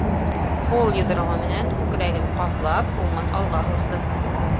Һул йоҙроғо менән күкрәген ҡаплап, уңын алға һуҙҙы.